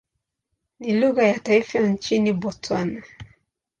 Ni lugha ya taifa nchini Botswana.